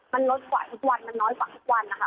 มันลดกว่าทุกวันมันน้อยกว่าทุกวันนะคะ